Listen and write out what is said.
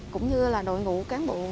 cũng như đội ngũ cán bộ